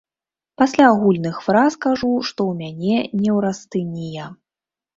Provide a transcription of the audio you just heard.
Пасля агульных фраз кажу, што ў мяне неўрастэнія.